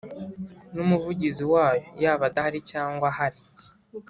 N’umuvugizi wayo yaba adahari cyangwa ahari